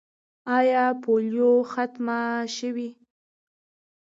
آیا پولیو ختمه شوې؟